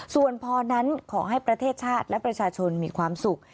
ส่วนพอนั้นขอให้ประเทศชาติและประชาชนมีความสุข